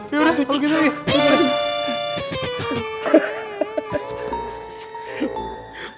yaudah aku gini lagi